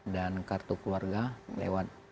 dan kartu keluarga lewat